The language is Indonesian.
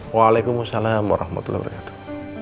waalaikumsalam warahmatullahi wabarakatuh